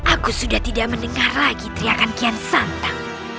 aku sudah tidak mendengar lagi teriakan kian santang